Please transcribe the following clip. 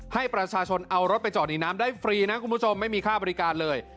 ให้ประชาชนเอารถไปจอดในน้ำได้ฟรีนะคุณผู้ชมไม่มีค่าบริการเลย